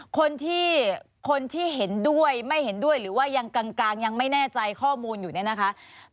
คนที่คนที่เห็นด้วยไม่เห็นด้วยหรือว่ายังกลางยังไม่แน่ใจข้อมูลอยู่เนี่ยนะคะ